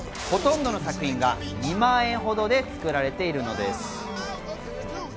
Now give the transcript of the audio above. ほとんど作品が２万円ほどで作られているのです。